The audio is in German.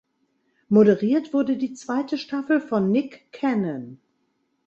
Moderiert wurde die zweite Staffel von Nick Cannon.